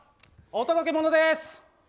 お届け物です。